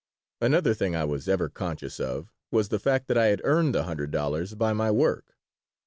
Another thing I was ever conscious of was the fact that I had earned the hundred dollars by my work.